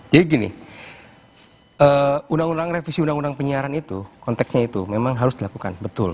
jadi gini revisi undang undang penyiaran itu konteksnya itu memang harus dilakukan betul